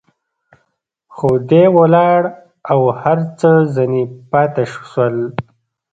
خو دى ولاړ او هر څه ځنې پاته سول.